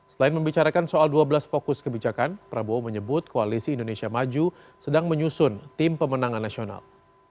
selain membicarakan soal dua belas fokus kebijakan prabowo menyebut koalisi indonesia maju sedang menyusun tim pemenangan nasional